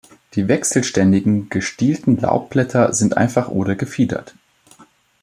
Die wechselständigen, gestielten Laubblätter sind einfach oder gefiedert.